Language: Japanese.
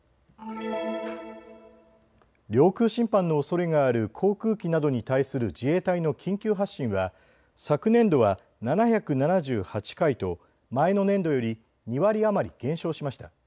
領空侵犯のおそれがある航空機などに対する自衛隊の緊急発進は昨年度は７７８回と前の年度より２割余り減少しました。